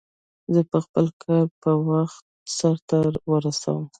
زه به خپل کار په خپل وخت سرته ورسوم